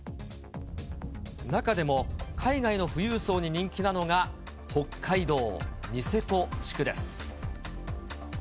中でも海外の富裕層に人気なのが、北海道ニセコ地区です。